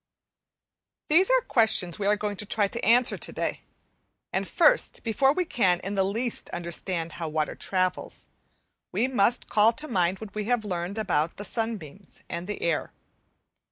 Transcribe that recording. These are questions we are going to try to answer to day; and first, before we can in the least understand how water travels, we must call to mind what we have learnt about the sunbeams and the air.